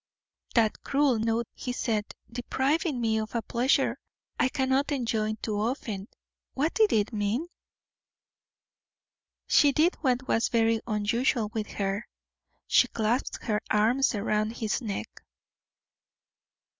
"That cruel note," he said, "depriving me of a pleasure I cannot enjoy too often. What did it mean?" She did what was very unusual with her; she clasped her arms round his neck.